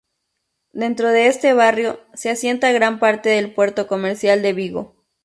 Dentro de este barrio se asienta gran parte del puerto comercial de Vigo.